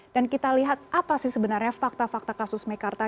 dan kita lihat apa sih sebenarnya fakta fakta kasus mekarta